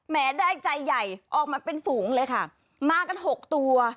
แดงใจใหญ่ออกมาเป็นฝูงเลยค่ะมากันหกตัว